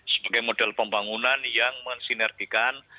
sebagai model pembangunan yang mensinergikan